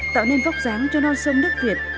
tạo nên vóc dáng cho non sông nước việt